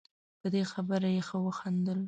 په دې خبره یې ښه وخندل.